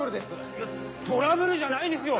いやトラブルじゃないですよ！